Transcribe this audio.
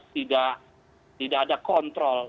tidak ada kontrol